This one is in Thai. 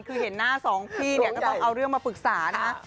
คือเห็นหน้าสองพี่เนี่ยก็ต้องเอาเรื่องมาปรึกษานะฮะ